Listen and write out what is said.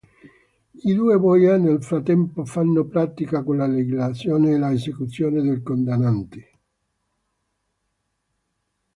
I due boia nel frattempo fanno pratica con la legislazione e l'esecuzione dei condannati.